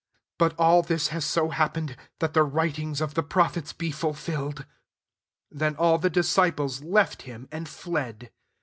56 But all this has so happened, that the writings of the prophets be fulfilled." Then all the disciples left him and fled.